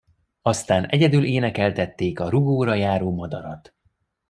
Aztán egyedül énekeltették a rugóra járó madarat.